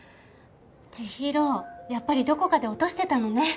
ちひろやっぱりどこかで落としてたのね。